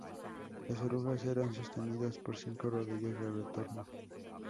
Las orugas eran sostenidas por cinco rodillos de retorno.